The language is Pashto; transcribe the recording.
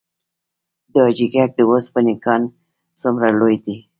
د حاجي ګک د وسپنې کان څومره لوی دی؟